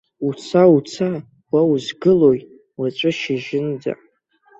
Уца, уца, уа узгылои, уаҵәы шьыжьынӡа!